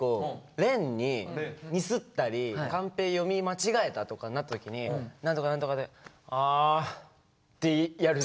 廉にミスったりカンペ読み間違えたとかになった時に「なんとかなんとかで」「あ」ってやるじゃん。